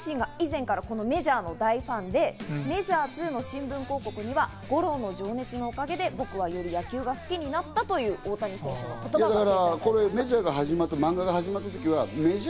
大谷選手自身が以前からこの『ＭＡＪＯＲ』の大ファンで、『ＭＡＪＯＲ２』の新聞広告には吾郎の情熱のおかげで、僕はより野球が好きになったという大谷選手の言葉が書いてあります。